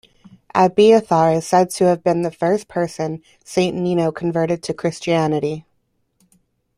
Abiathar is said to have been the first person Saint Nino converted to Christianity.